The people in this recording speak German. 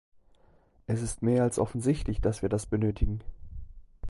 Es ist mehr als offensichtlich, dass wir das benötigen.